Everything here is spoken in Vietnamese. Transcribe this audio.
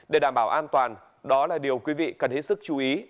để đảm bảo an toàn đó là điều quý vị cần hết sức chú ý